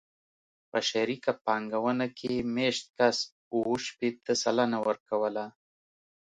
په شریکه پانګونه کې مېشت کس اوه شپېته سلنه ورکوله